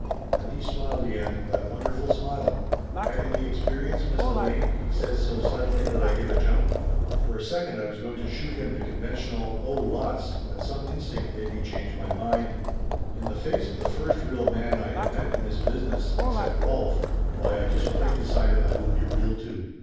Then he smiled again, that wonderful smile. "Had any experience, Miss Delane?" he says so sud denly that I give a jump. Laughter Limited 165 For a second I was going to shoot him the conven tional "Oh, lots," when some instinct made me change my mind. In the face of the first real man I had met in this business, except Rolf, why I just plain decided I would be real too.